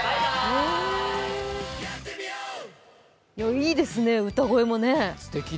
いいですね、歌声もね。